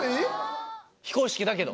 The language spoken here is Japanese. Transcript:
非公式だけど。